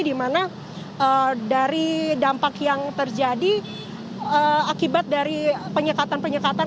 di mana dari dampak yang terjadi akibat dari penyekatan penyekatan